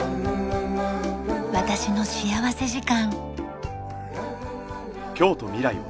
『私の幸福時間』。